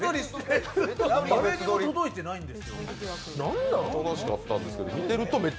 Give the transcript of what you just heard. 誰にも届いてないんです。